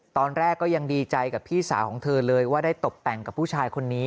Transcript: ตอนแรกก็ยังดีใจกับพี่สาวของเธอเลยว่าได้ตบแต่งกับผู้ชายคนนี้